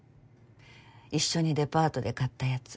一緒にデパートで買ったやつ。